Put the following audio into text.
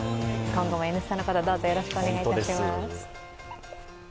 今後も「Ｎスタ」のことよろしくお願いいたします。